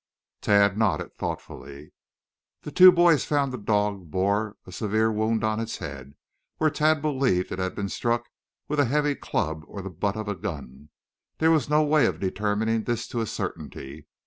Tad nodded, thoughtfully. The two boys found that the dog bore a severe wound on its head, where Tad believed it had been struck with a heavy club or the butt of a gun. There was no way of determining this to a certainty.